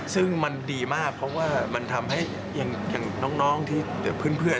ซึ่งมันดีมากเพราะว่ามันทำให้อย่างน้องที่เพื่อน